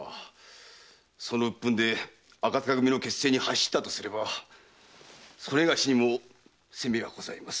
その鬱憤で赤柄組の結成に走ったとすればそれがしにも責めはございます。